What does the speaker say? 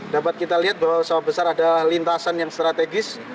dapat kita lihat bahwa sawah besar adalah lintasan yang strategis